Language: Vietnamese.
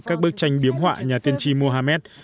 các bức tranh biếm họa nhà tiên tri mohammed